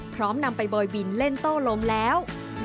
พร้อมนำไปบ่อยบินเล่นโต้ลมแล้ว